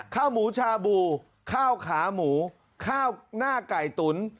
ข้าวหมูชาบูข้าวขาหมูข้าวหน้าไก่ตุ๋น